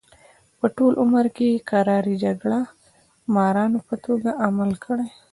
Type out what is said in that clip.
په ټول عمر کې یې کرایي جګړه مارانو په توګه عمل کړی.